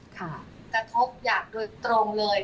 กระทบอย่างโดยตรงเลย